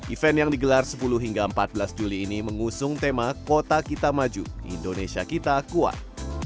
event yang digelar sepuluh hingga empat belas juli ini mengusung tema kota kita maju indonesia kita kuat